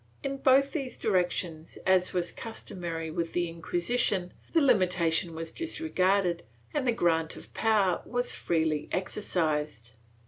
In both these directions, as was customary with the Inquisition, the limitation was disregarded and the grant of power was freely exercised.